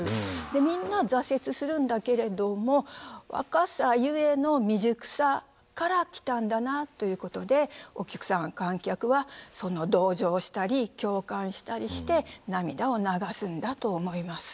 でみんな挫折するんだけれども若さゆえの未熟さから来たんだなということでお客さん観客はその同情したり共感したりして涙を流すんだと思います。